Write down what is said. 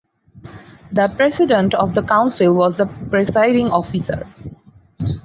The President of the council was the presiding officer.